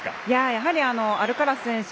やはり、アルカラス選手